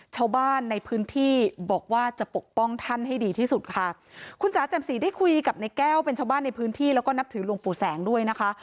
ชาวบ้านในพื้นที่บอกว่าจะปกป้องท่านให้ดีที่สุดค่ะคุณจ๋าแจ่มสีได้คุยกับในแก้วเป็นชาวบ้านในพื้นที่แล้วก็นับถือหลวงปู่แสงด้วยนะคะ